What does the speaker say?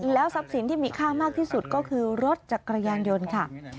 แล้วทรัพย์ศิลป์ที่มีค่ามากที่สุดก็คือรถจากกระย่ายนยนต์ค่ะ